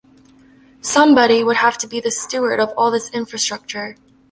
Somebody would have to be the steward of all this infrastructure.